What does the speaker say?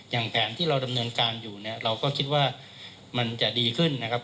แผนที่เราดำเนินการอยู่เนี่ยเราก็คิดว่ามันจะดีขึ้นนะครับ